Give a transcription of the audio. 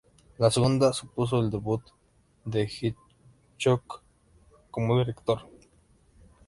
La segunda supuso el debut de Hitchcock como director.